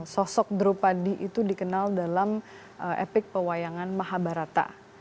kosok drupadi itu dikenal dalam epik pewayangan mahabharata